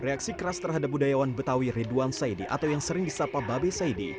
reaksi keras terhadap budayawan betawi ridwan saidi atau yang sering disapa babi saidi